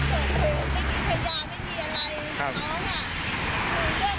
พวกมันพูดอย่างนี้ตอนนี้หลังจากก็เลยมองดีว่า